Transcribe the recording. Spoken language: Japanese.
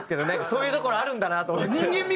そういうところあるんだなと思って。